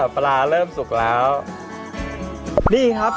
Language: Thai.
ปลาเริ่มสุกแหลว